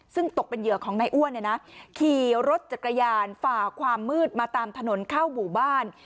ซึ่งตกเป็นเหยื่อของในอ้วนนะขี่รถจัดกระยานฝ่าความมืดมาตามถนนเข้าบุบ้าน